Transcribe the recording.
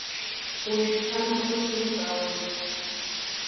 Уажәшьҭарнахыс умаҵ аауеит.